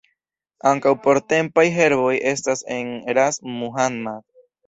Ankaŭ portempaj herboj estas en Ras Muhammad.